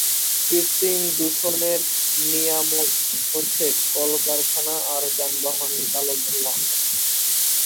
কৃত্রিম দূষণের নিয়ামক হচ্ছে কলকারখানা আর যানবাহনের কালো ধোয়া।